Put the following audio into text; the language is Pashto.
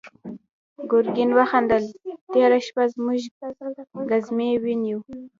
ګرګين وخندل: تېره شپه زموږ ګزمې ونيو.